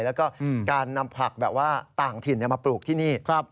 แล้วก็การนำผักแบบว่าต่างถิ่นมาปลูกที่นี่